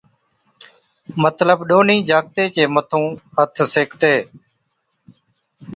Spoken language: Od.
مطلب ڏُونَھين جاکَتي چي مَٿُون ھٿ سيڪتِي